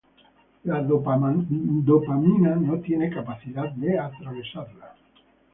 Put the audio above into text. La dopamina no tiene capacidad de atravesarla.